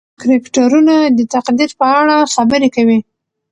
کرکټرونه د تقدیر په اړه خبرې کوي.